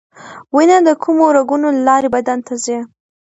وینه د کومو رګونو له لارې بدن ته ځي